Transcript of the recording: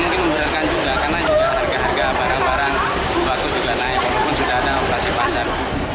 waktu juga naik walaupun sudah ada operasi pasar